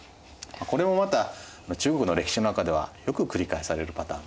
これもまた中国の歴史の中ではよく繰り返されるパターンなんですね。